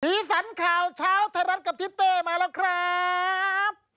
สันข่าวเช้าไทยรัฐกับทิศเป้มาแล้วครับ